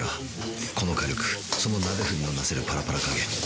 この火力その鍋振りのなせるパラパラ加減